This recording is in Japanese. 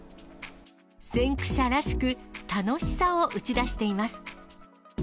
先駆者らしく、楽しさを打ち出しています。